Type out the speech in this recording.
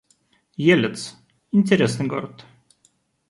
Елец — интересный город